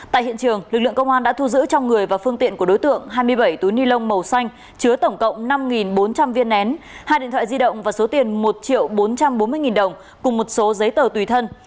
tại hiện trường lực lượng công an đã thu giữ trong người và phương tiện của đối tượng hai mươi bảy túi ni lông màu xanh chứa tổng cộng năm bốn trăm linh viên nén hai điện thoại di động và số tiền một triệu bốn trăm bốn mươi đồng cùng một số giấy tờ tùy thân